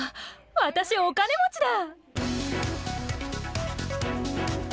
私、お金持ちだ！